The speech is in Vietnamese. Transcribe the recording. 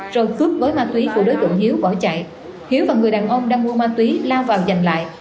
rồi cướp với ma túy của đối tượng hiếu bỏ chạy hiếu và người đàn ông đang mua ma túy lao vào dành lại